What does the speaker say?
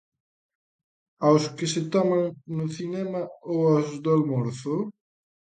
Aos que se toman no cinema ou aos do almorzo?